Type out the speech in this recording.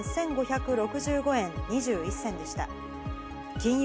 金融